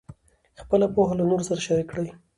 خپله پوهه له نورو سره شریک کړئ.